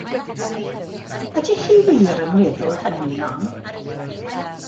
Ydych chi wir yn meddwl hynny, mam?